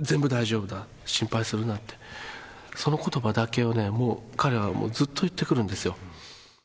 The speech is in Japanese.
全部大丈夫だ、心配するなって、そのことばだけをね、もう、彼はもうずっと言ってくるんですよ。